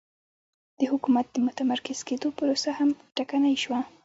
د حکومت د متمرکز کېدو پروسه هم ټکنۍ شوه